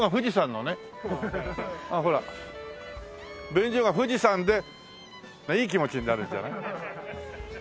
便所が富士山でいい気持ちになれるんじゃない？